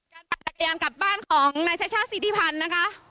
การตั้งแต่ยางกลับบ้านของนายชาชาศิริพรรณนะคะ